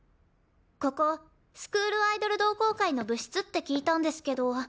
ここスクールアイドル同好会の部室って聞いたんですけど。